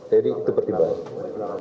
jadi itu pertimbangan